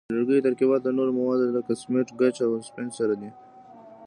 د لرګیو ترکیبات له نورو موادو لکه سمنټ، ګچ او اسفنج سره دي.